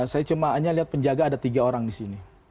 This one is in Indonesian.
saya cuma hanya lihat penjaga ada tiga orang disini